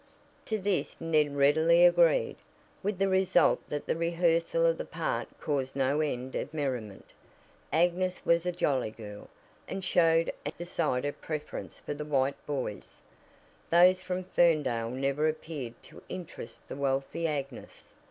To this Ned readily agreed, with the result that the rehearsal of the part caused no end of merriment. Agnes was a jolly girl, and showed a decided preference for the White boys those from Ferndale never appeared to interest the wealthy Agnes.